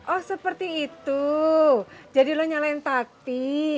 oh seperti itu jadi lo nyalain taktik